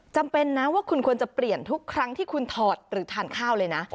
จำเป็นนะว่าคุณควรจะเปลี่ยนทุกครั้งที่คุณถอดหรือทานข้าวเลยนะ